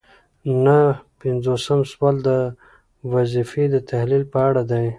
نهه پنځوسم سوال د وظیفې د تحلیل په اړه دی.